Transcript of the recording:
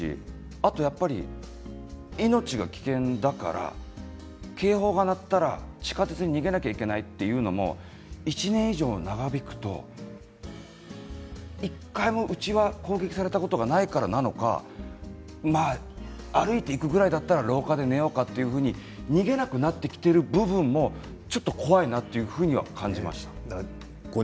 あと、やっぱり命が危険だから警報が鳴ったら地下鉄に逃げなきゃいけないというのも１年以上、長引くと１回もうちは攻撃されたことがないからなのか歩いて行くぐらいだったら廊下で寝ようかと逃げなくなってきている部分もちょっと怖いなと感じました。